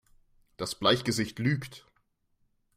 Das Bleichgesicht lügt!